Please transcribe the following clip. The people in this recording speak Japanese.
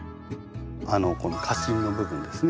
この花芯の部分ですね。